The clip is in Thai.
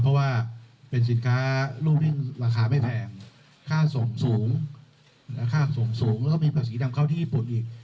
เพราะว่าเป็นสินค้ารูปวิ่งราคาไม่แพงค่าส่งสูงและค่าส่งสูงแล้วก็มีภาษีดำเข้าที่ญี่ปุ่นอีก